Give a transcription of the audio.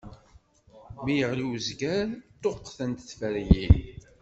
Mi iɣli uzger, ṭṭuqqtent tferyin.